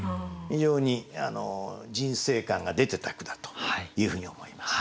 非常に人生観が出てた句だというふうに思います。